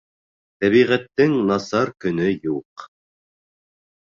Тәбиғәттең насар көнө юҡ